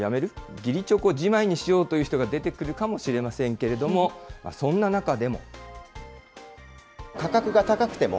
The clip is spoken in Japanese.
義理チョコじまいにしようという人が出てくるかもしれませんけれども、そんな中でも。